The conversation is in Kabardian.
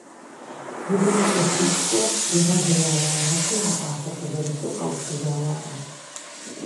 Удым илъэсищкӀэ игъэжеяуэ арати, а пӀалъэр къызэрысу къэушыжауэ арат.